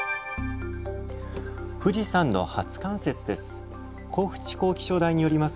富士山の初冠雪です。